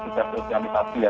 sudah diorganisasi ya